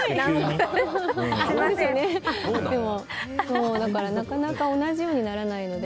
でも、なかなか同じようにならないので。